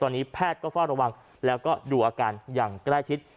ตอนนี้แพทย์ก็เฝ้าระวังแล้วก็ดูอาการอย่างใกล้ชิด